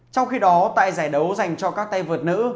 trong khi đó tại giải đấu dành cho các tay vợt nữ